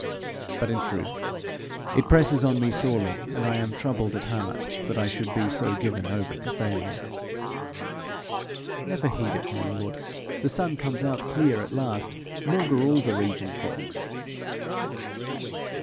But in truth it presses on me sorely, and I am troubled at heart that I should be so given over to failure.' 'Never heed it, my lord. The sun comes out clear at last maugre all the region fogs.'